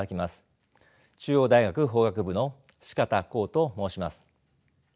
中央大学法学部の四方光と申します。